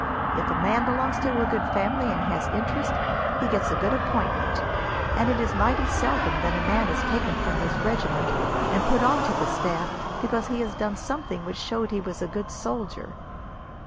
If a man belongs to a good family, and has interest, he gets a good appointment; and it is mighty seldom that a man is taken from his regiment, and put on to the staff, because he has done something which showed he was a good soldier."